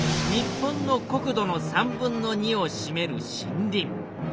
日本の国土の３分の２をしめる森林。